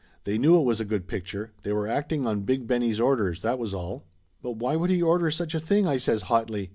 "They knew it was a good picture. They were, acting on Big Benny's orders, that was all!" "But why should he order such a thing?" I says hotly.